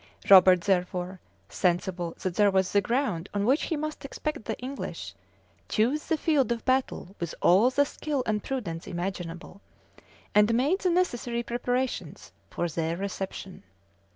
Robert, therefore, sensible that here was the ground on which he must expect the English, chose the field of battle with all the skill and prudence imaginable, and made the necessary preparations for their reception.